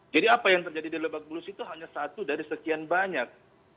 jadi apa yang terjadi di lebak bulus itu hanya satu dari sekian banyak